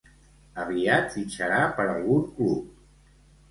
Aviat fitxarà per algun club.